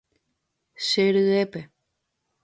Che ryépe.